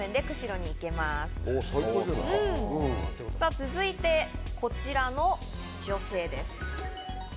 続いてこちらの女性です。